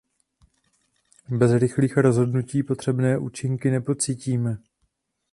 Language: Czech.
Bez rychlých rozhodnutí potřebné účinky nepocítíme.